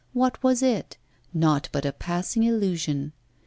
what was it? Nought but a passing illusion.